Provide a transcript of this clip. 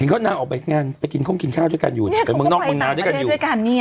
ก็น่าออกไปแกง้านไปกินข้อมกินข้าก่อนอยู่เนี่ยเห็นคนก็ไปต่างราวด้วยกันเนี่ย